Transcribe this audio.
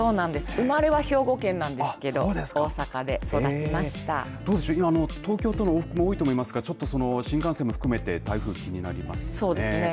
生まれは兵庫県なんですけどどうでしょう東京との往復、多いと思いますが新幹線含めて台風気になりますね。